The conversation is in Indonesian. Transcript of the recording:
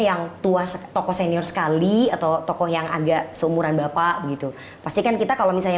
yang tua tokoh senior sekali atau tokoh yang agak seumuran bapak begitu pastikan kita kalau misalnya